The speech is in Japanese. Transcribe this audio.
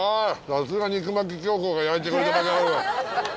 さすが肉巻き京子が焼いてくれただけある。